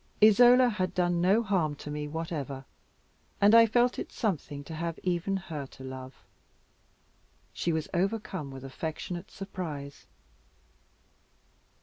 Isola had done no harm to me whatever, and I felt it something to have even her to love. She was overcome with affectionate surprise.